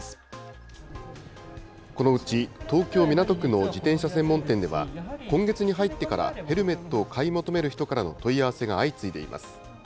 このうち東京・港区の自転車専門店では、今月に入ってからヘルメットを買い求める人からの問い合わせが相次いでいます。